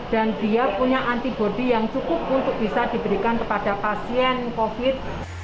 dan dia punya antibody yang cukup untuk bisa diberikan kepada pasien covid